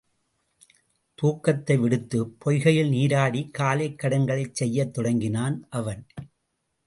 தூக்கத்தை விடுத்துப் பொய்கையில் நீராடிக் காலைக் கடன்களைச் செய்யத் தொடங்கினான் அவன்.